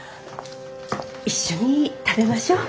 一緒に食べましょう。